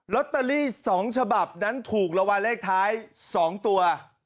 ลอตเตอรี่สองฉบับนั้นถูกระวังเลขท้ายสองตัว